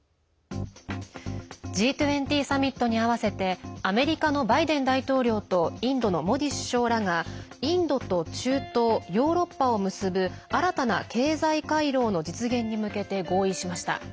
Ｇ２０サミットに合わせてアメリカのバイデン大統領とインドのモディ首相らがインドと中東、ヨーロッパを結ぶ新たな経済回廊の実現に向けて合意しました。